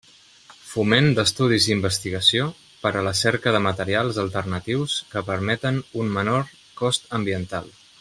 Foment d'estudis i investigació per a la cerca de materials alternatius que permeten un menor cost ambiental.